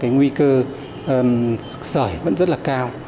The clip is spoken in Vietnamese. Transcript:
nguy cơ sởi vẫn rất là cao